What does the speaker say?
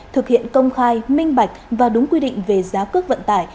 thực hiện công khai minh bạch và đúng quy định về giá cước vận tải